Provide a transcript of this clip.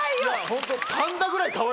ホント。